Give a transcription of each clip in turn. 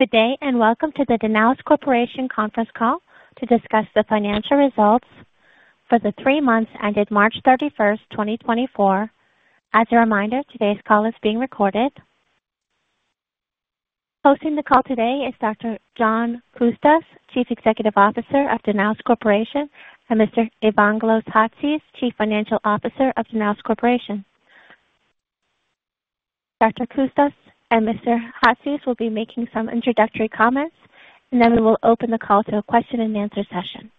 Good day, and welcome to the Danaos Corporation conference call to discuss the financial results for the three months ended March 31, 2024. As a reminder, today's call is being recorded. Hosting the call today is Dr. John Coustas, Chief Executive Officer of Danaos Corporation, and Mr. Evangelos Chatzis, Chief Financial Officer of Danaos Corporation. Dr. Coustas and Mr. Chatzis will be making some introductory comments, and then we will open the call to a question-and-answer session.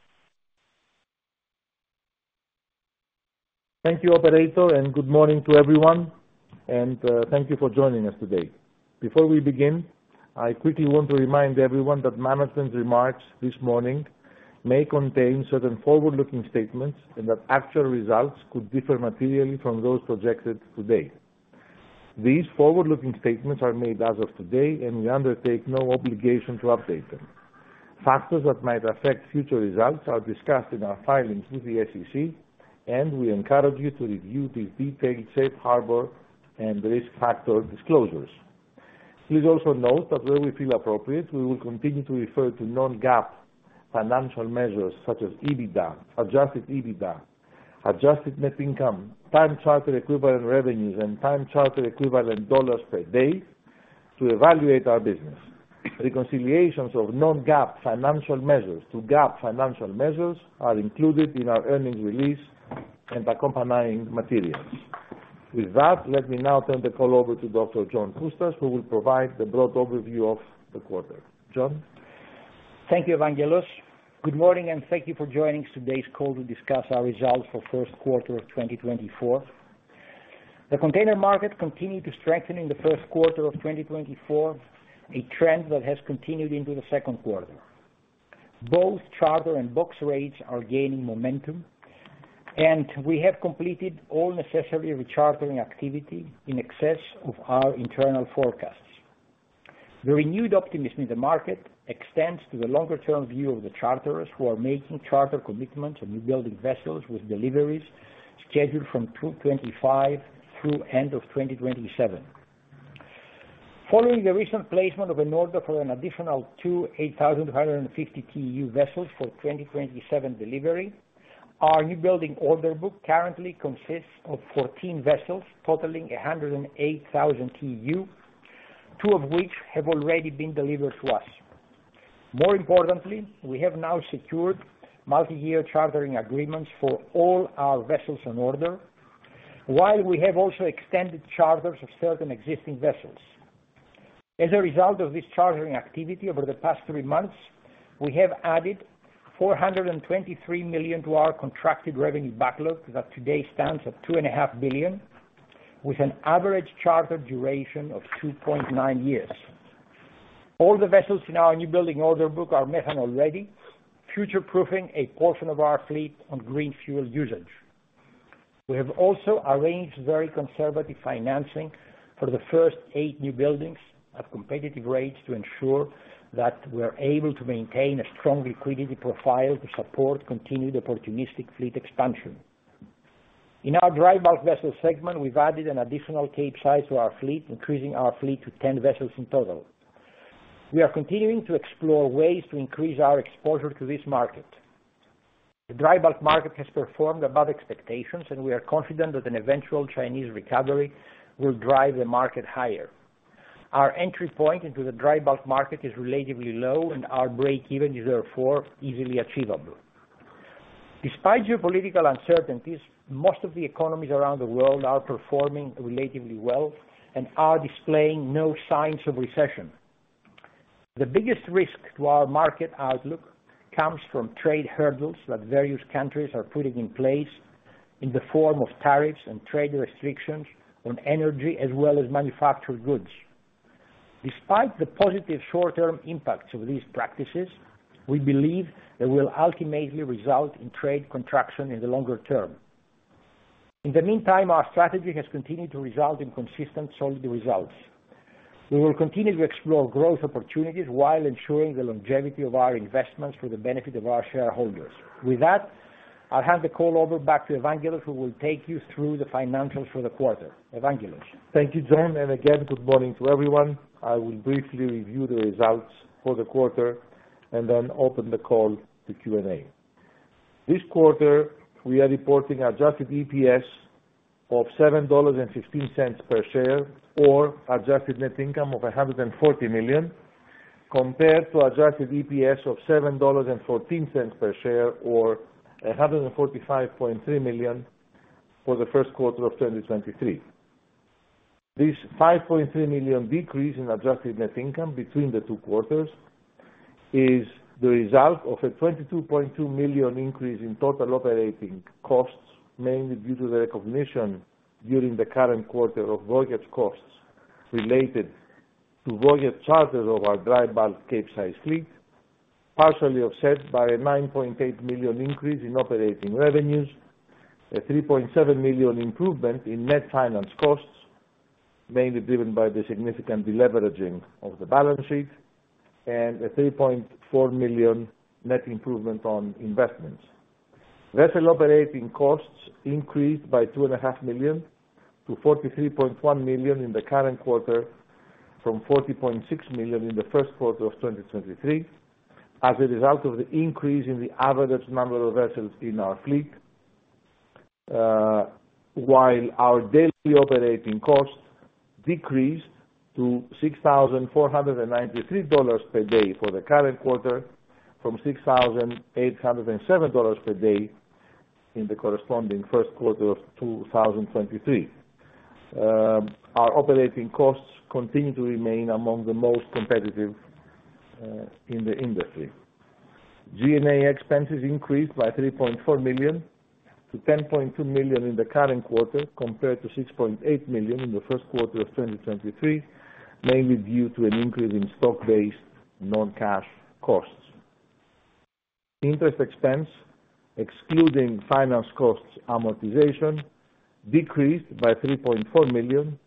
Thank you, operator, and good morning to everyone, and thank you for joining us today. Before we begin, I quickly want to remind everyone that management's remarks this morning may contain certain forward-looking statements and that actual results could differ materially from those projected today. These forward-looking statements are made as of today, and we undertake no obligation to update them. Factors that might affect future results are discussed in our filings with the SEC, and we encourage you to review the detailed safe harbor and risk factor disclosures. Please also note that where we feel appropriate, we will continue to refer to non-GAAP financial measures such as EBITDA, adjusted EBITDA, adjusted net income, time charter equivalent revenues, and time charter equivalent dollars per day to evaluate our business. Reconciliations of non-GAAP financial measures to GAAP financial measures are included in our earnings release and accompanying materials. With that, let me now turn the call over to John Coustas, who will provide the broad overview of the quarter. John? Thank you, Evangelos. Good morning, and thank you for joining today's call to discuss our results for first quarter of 2024. The container market continued to strengthen in the first quarter of 2024, a trend that has continued into the second quarter. Both charter and box rates are gaining momentum, and we have completed all necessary rechartering activity in excess of our internal forecasts. The renewed optimism in the market extends to the longer-term view of the charterers, who are making charter commitments on newbuilding vessels with deliveries scheduled from 2025 through end of 2027. Following the recent placement of an order for an additional two 8,550 TEU vessels for 2027 delivery, our newbuilding order book currently consists of 14 vessels, totaling 108,000 TEU, two of which have already been delivered to us. More importantly, we have now secured multi-year chartering agreements for all our vessels on order, while we have also extended charters of certain existing vessels. As a result of this chartering activity over the past three months, we have added $423 million to our contracted revenue backlog, that today stands at $2.5 billion, with an average charter duration of 2.9 years. All the vessels in our newbuilding order book are methanol-ready, future-proofing a portion of our fleet on green fuel usage. We have also arranged very conservative financing for the first newbuildings at competitive rates to ensure that we're able to maintain a strong liquidity profile to support continued opportunistic fleet expansion. In our dry bulk vessel segment, we've added an additional Capesize to our fleet, increasing our fleet to 10 vessels in total. We are continuing to explore ways to increase our exposure to this market. The dry bulk market has performed above expectations, and we are confident that an eventual Chinese recovery will drive the market higher. Our entry point into the dry bulk market is relatively low, and our breakeven is therefore easily achievable. Despite geopolitical uncertainties, most of the economies around the world are performing relatively well and are displaying no signs of recession. The biggest risk to our market outlook comes from trade hurdles that various countries are putting in place in the form of tariffs and trade restrictions on energy as well as manufactured goods. Despite the positive short-term impacts of these practices, we believe they will ultimately result in trade contraction in the longer term. In the meantime, our strategy has continued to result in consistent, solid results. We will continue to explore growth opportunities while ensuring the longevity of our investments for the benefit of our shareholders. With that, I'll hand the call over back to Evangelos, who will take you through the financials for the quarter. Evangelos? Thank you, John, and again, good morning to everyone. I will briefly review the results for the quarter and then open the call to Q&A. This quarter, we are reporting adjusted EPS of $7.15 per share, or adjusted net income of $140 million, compared to adjusted EPS of $7.14 per share or $145.3 million for the first quarter of 2023. This $5.3 million decrease in adjusted net income between the two quarters is the result of a $22.2 million increase in total operating costs, mainly due to the recognition during the current quarter of voyage costs related to voyage charters of our dry bulk Capesize fleet, partially offset by a $9.8 million increase in operating revenues, a $3.7 million improvement in net finance costs, mainly driven by the significant deleveraging of the balance sheet, and a $3.4 million net improvement on investments. Vessel operating costs increased by $2.5 million to $43.1 million in the current quarter, from $40.6 million in the first quarter of 2023, as a result of the increase in the average number of vessels in our fleet, while our daily operating costs decreased to $6,493 per day for the current quarter, from $6,807 per day in the corresponding first quarter of 2023. Our operating costs continue to remain among the most competitive in the industry. G&A expenses increased by $3.4 million to $10.2 million in the current quarter, compared to $6.8 million in the first quarter of 2023, mainly due to an increase in stock-based non-cash costs. Interest expense, excluding finance costs amortization, decreased by $3.4 million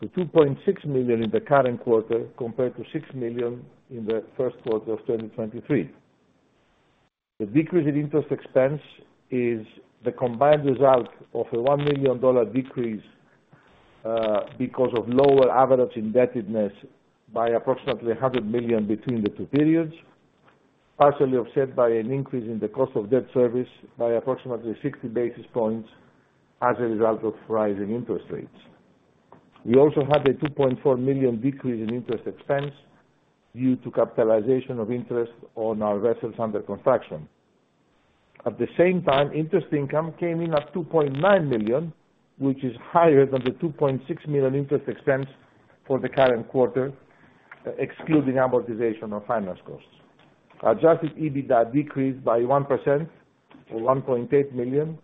to $2.6 million in the current quarter, compared to $6 million in the first quarter of 2023. The decrease in interest expense is the combined result of a $1 million decrease because of lower average indebtedness by approximately $100 million between the two periods, partially offset by an increase in the cost of debt service by approximately 60 basis points as a result of rising interest rates. We also had a $2.4 million decrease in interest expense due to capitalization of interest on our vessels under construction. At the same time, interest income came in at $2.9 million, which is higher than the $2.6 million interest expense for the current quarter, excluding amortization or finance costs. Adjusted EBITDA decreased by 1%, or $1.8 million,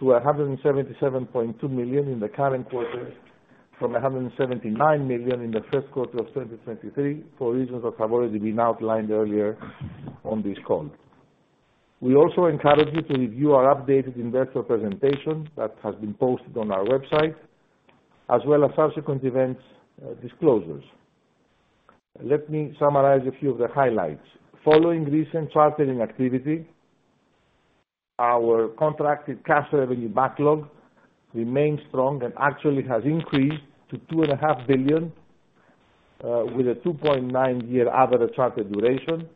to $177.2 million in the current quarter, from $179 million in the first quarter of 2023, for reasons that have already been outlined earlier on this call. We also encourage you to review our updated investor presentation that has been posted on our website, as well as subsequent events disclosures. Let me summarize a few of the highlights. Following recent chartering activity, our contracted cash revenue backlog remains strong and actually has increased to $2.5 billion, with a 2.9-year average charter duration,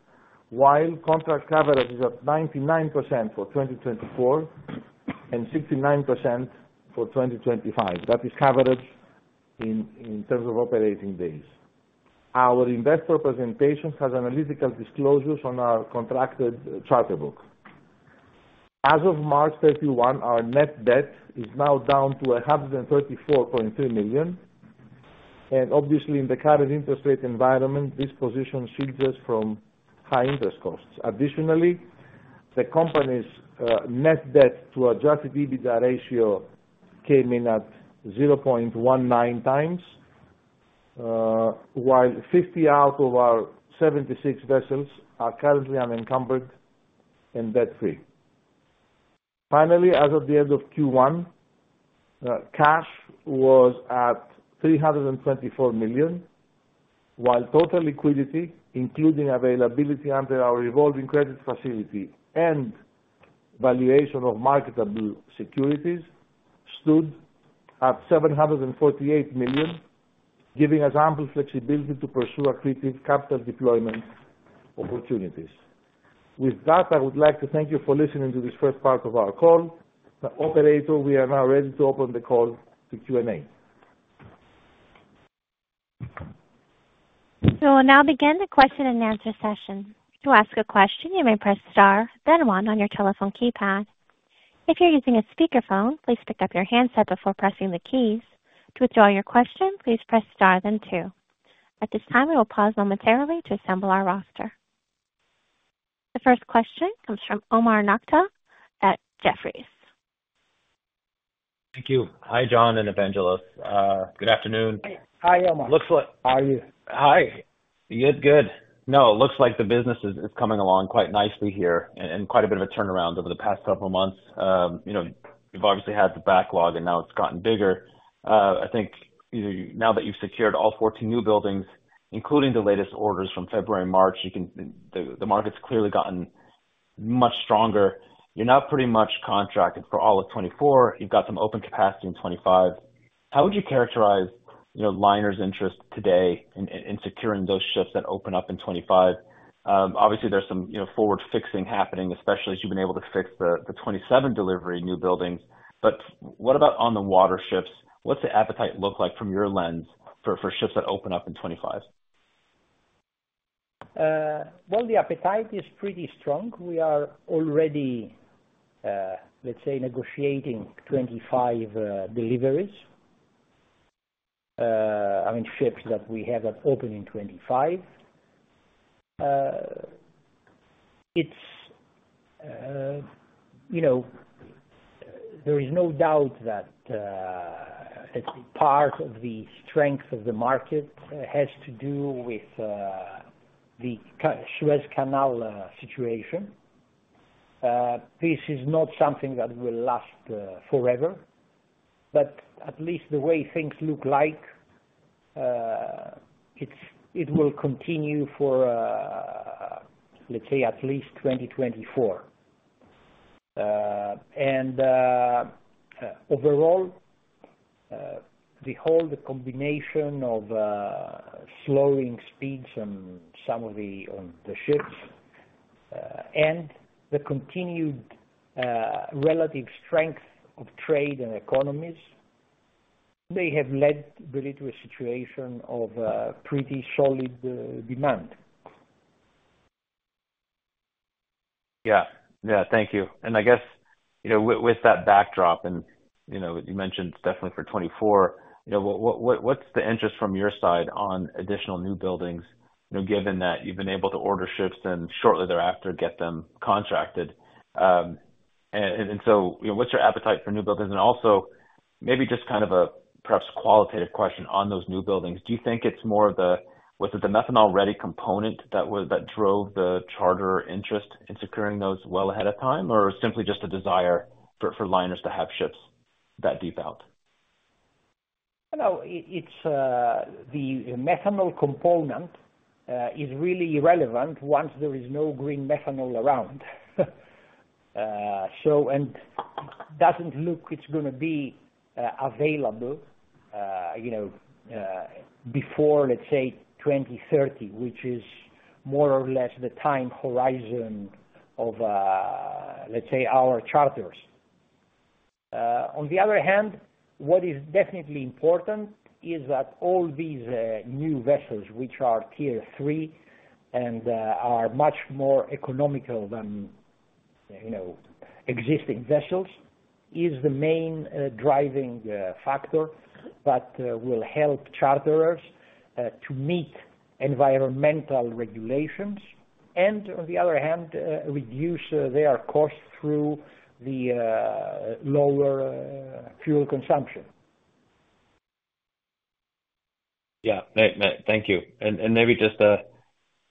while contract coverage is at 99% for 2024 and 69% for 2025. That is coverage in terms of operating days. Our investor presentation has analytical disclosures on our contracted charter book. As of March 31, our net debt is now down to $134.3 million, and obviously, in the current interest rate environment, this position shields us from high interest costs. Additionally, the company's net debt to Adjusted EBITDA ratio came in at 0.19 times, while 50 out of our 76 vessels are currently unencumbered and debt-free. Finally, as of the end of Q1, cash was at $324 million, while total liquidity, including availability under our revolving credit facility and valuation of marketable securities, stood at $748 million, giving us ample flexibility to pursue accretive capital deployment opportunities. With that, I would like to thank you for listening to this first part of our call. Now, operator, we are now ready to open the call to Q&A. We will now begin the question-and-answer session. To ask a question, you may press star, then one on your telephone keypad. If you're using a speakerphone, please pick up your handset before pressing the keys. To withdraw your question, please press star, then two. At this time, we will pause momentarily to assemble our roster. The first question comes from Omar Nokta at Jefferies. Thank you. Hi, John and Evangelos. Good afternoon. Hi, Omar. Looks like- How are you? Hi. Good, good. No, it looks like the business is, is coming along quite nicely here and, and quite a bit of a turnaround over the past couple of months. You know, you've obviously had the backlog, and now it's gotten bigger. I think, you know, now that you've secured all 14 newbuildings, including the latest orders from February and March, you can. The, the market's clearly gotten much stronger. You're now pretty much contracted for all of 2024. You've got some open capacity in 2025. How would you characterize, you know, liners' interest today in, in securing those ships that open up in 2025? Obviously, there's some, you know, forward fixing happening, especially as you've been able to fix the, the 2027 delivery newbuildings. But what about on the water ships? What's the appetite look like from your lens for ships that open up in 2025? Well, the appetite is pretty strong. We are already, let's say, negotiating 25 deliveries. I mean, ships that we have that open in 2025. It's, you know, there is no doubt that, part of the strength of the market has to do with, the Suez Canal situation. This is not something that will last forever, but at least the way things look like- it's, it will continue for, let's say, at least 2024. And overall, the whole, the combination of slowing speeds on some of the, on the ships, and the continued relative strength of trade and economies, they have led really to a situation of pretty solid demand. Yeah. Yeah, thank you. And I guess, you know, with that backdrop and, you know, you mentioned definitely for 2024, you know, what's the interest from your side on additional newbuildings? You know, given that you've been able to order ships and shortly thereafter get them contracted. And so, you know, what's your appetite for newbuildings? And also, maybe just kind of perhaps qualitative question on those newbuildings. Do you think it's more of the, was it the methanol-ready component that that drove the charter interest in securing those well ahead of time, or simply just a desire for liners to have ships that deep out? You know, it's the methanol component is really irrelevant once there is no green methanol around. So, and doesn't look it's gonna be available, you know, before, let's say, 2030, which is more or less the time horizon of, let's say, our charters. On the other hand, what is definitely important is that all these new vessels, which are Tier III and are much more economical than, you know, existing vessels, is the main driving factor that will help charterers to meet environmental regulations, and on the other hand, reduce their costs through the lower fuel consumption. Yeah. Thank you. And maybe just.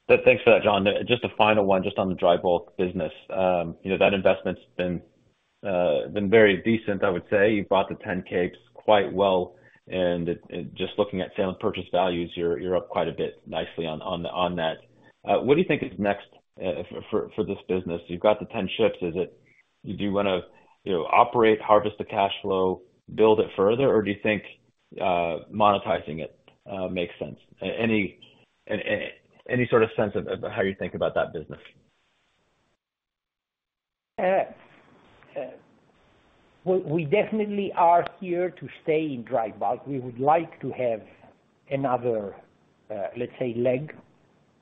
Thanks for that, John. Just a final one, just on the dry bulk business. You know that investment's been very decent, I would say. You've bought the 10 capes quite well, and it just looking at sale and purchase values, you're up quite a bit nicely on that. What do you think is next for this business? You've got the 10 ships. Is it, do you wanna, you know, operate, harvest the cash flow, build it further, or do you think monetizing it makes sense? Any sort of sense of how you think about that business? We definitely are here to stay in dry bulk. We would like to have another, let's say, leg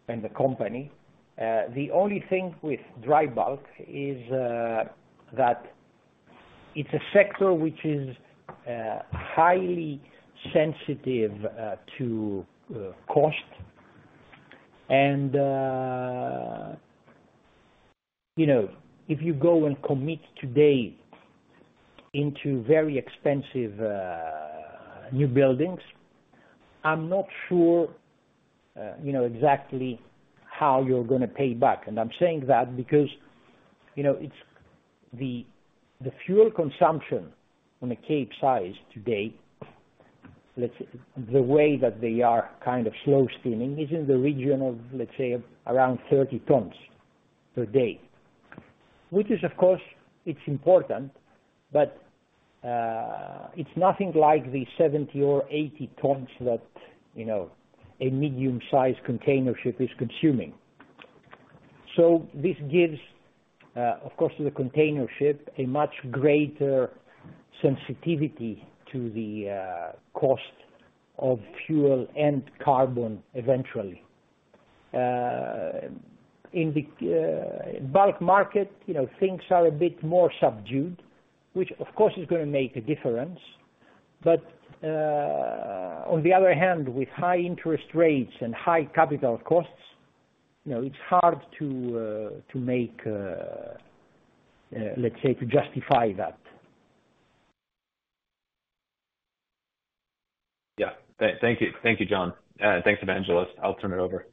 in the company. The only thing with dry bulk is that it's a sector which is highly sensitive to cost. And you know, if you go and commit today into very expensive newbuildings, I'm not sure you know, exactly how you're gonna pay back. And I'm saying that because, you know, it's the fuel consumption on a Capesize today, let's say, the way that they are kind of slow steaming, is in the region of, let's say, around 30 tons per day. Which is, of course, it's important, but it's nothing like the 70 or 80 tons that, you know, a medium-sized container ship is consuming. So this gives, of course, the container ship a much greater sensitivity to the cost of fuel and carbon eventually. In the bulk market, you know, things are a bit more subdued, which, of course, is gonna make a difference. But on the other hand, with high interest rates and high capital costs, you know, it's hard to make, let's say, to justify that. Yeah. Thank you. Thank you, John. Thanks, Evangelos. I'll turn it over.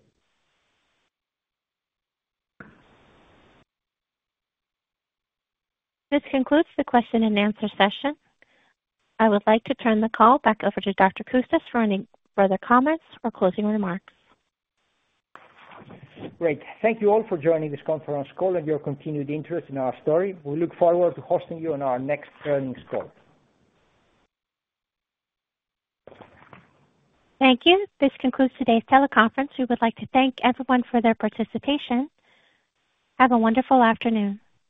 This concludes the question and answer session. I would like to turn the call back over to Dr. Coustas for any further comments or closing remarks. Great. Thank you all for joining this conference call and your continued interest in our story. We look forward to hosting you on our next earnings call. Thank you. This concludes today's teleconference. We would like to thank everyone for their participation. Have a wonderful afternoon.